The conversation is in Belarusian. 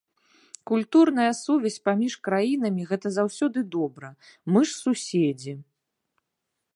Культурная сувязь паміж краінамі гэта заўсёды добра, мы ж суседзі.